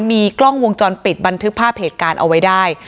มีกล้องวงจรปิดบันทึกภาพเหตุการณ์เอาไว้ได้